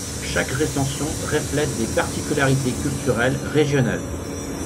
Chaque recension reflète des particularités culturelles régionales.